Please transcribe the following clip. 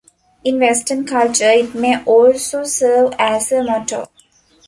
In Western culture, it may also serve as a motto.